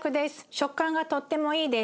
食感がとってもいいです。